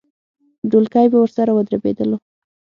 ډولکی به ورسره ودربېدلو.